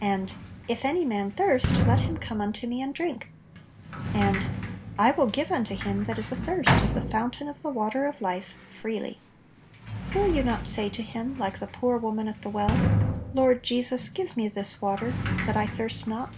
And, " If any man thirst, let him come unto me and drink." And, "I will give Little Pillows. 79 unto him that is athirst of the foun tain of the water of life freely." Will you not say to Him, like the poor woman at the well, " Lord Jesus, give me this water, that I thirst not